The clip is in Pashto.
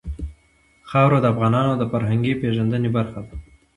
خاوره د افغانانو د فرهنګي پیژندنې برخه ده.